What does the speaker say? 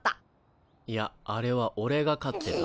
いやあれはおれが勝ってた。